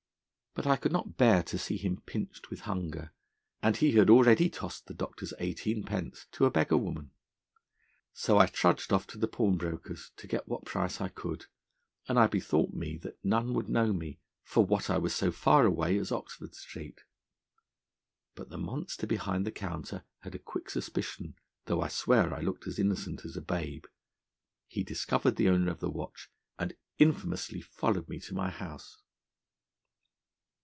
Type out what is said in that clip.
But I could not bear to see him pinched with hunger, and he had already tossed the doctor's eighteenpence to a beggar woman. So I trudged off to the pawnbroker's, to get what price I could, and I bethought me that none would know me for what I was so far away as Oxford Street. But the monster behind the counter had a quick suspicion, though I swear I looked as innocent as a babe; he discovered the owner of the watch, and infamously followed me to my house.